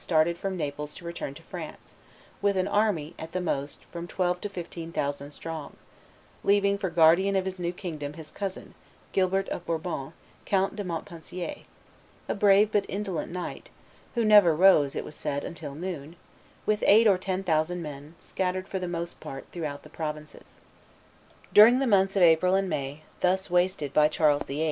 started from Naples to return to France, with an army, at the most, from twelve to fifteen thousand strong, leaving for guardian of his new kingdom his cousin, Gilbert of Bourbon, Count de Montpensier, a brave but indolent knight (who never rose, it was said, until noon), with eight or ten thousand men, scattered for the most part throughout the provinces. During the months of April and May, thus wasted by Charles VIII.